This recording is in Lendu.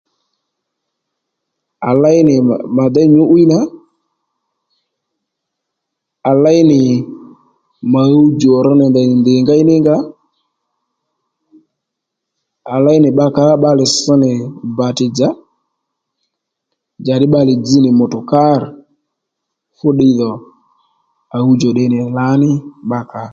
À léy nì mà déy nyǔ'wiy nà à léy nì mà ɦuwdjò rr nì ndèy ndì ngéy ní nga à léy nì bba kà ó bbalè ss nì bàti dzà njàddí bbalè dzz nì mutukarì fúddiy dho à ɦuw djò tde nì lǎní bbakà ò